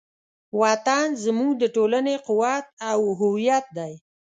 وطن زموږ د ټولنې قوت او هویت دی.